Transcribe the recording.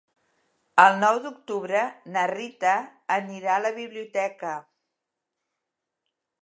El nou d'octubre na Rita anirà a la biblioteca.